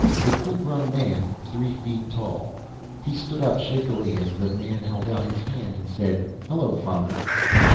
A fullgrown man, three feet tall. He stood up, shakily, as the man held out his hand and said, "Hello, Father."